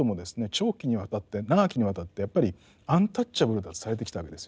長期にわたって長きにわたってやっぱりアンタッチャブルだとされてきたわけですよね。